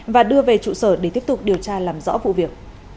và đưa về trụ sở để tiếp tục điều tra làm rõ vụ việc